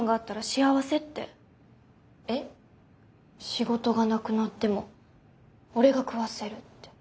「仕事がなくなっても俺が食わせる」って。